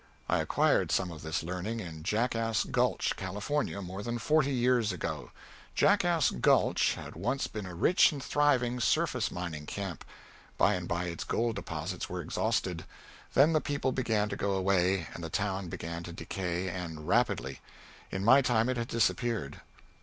I acquired some of this learning in Jackass Gulch, California, more than forty years ago. Jackass Gulch had once been a rich and thriving surface mining camp. By and by its gold deposits were exhausted; then the people began to go away, and the town began to decay, and rapidly; in my time it had disappeared.